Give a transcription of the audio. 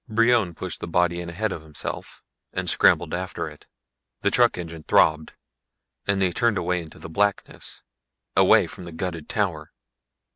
Brion pushed the body in ahead of himself and scrambled after it. The truck engine throbbed and they churned away into the blackness, away from the gutted tower.